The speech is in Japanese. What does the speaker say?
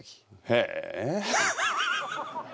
へえ。